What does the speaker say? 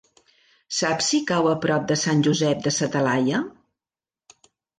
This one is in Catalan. Saps si cau a prop de Sant Josep de sa Talaia?